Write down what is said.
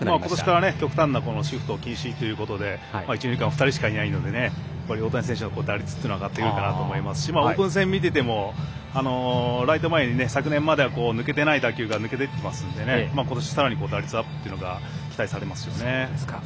今年から極端なシフト禁止ということで一、二塁間２人しかいないので大谷選手の打率は上がってくるかと思いますしオープン戦見ててもライト前に昨年までは抜けてない打球が抜けていってますので今年、さらに打率アップが期待されますよね。